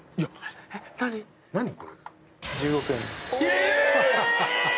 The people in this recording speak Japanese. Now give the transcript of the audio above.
え！